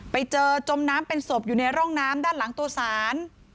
ไปเจอจมน้ำเป็นศพอยู่ในร่องน้ำด้านหลังตัวศาล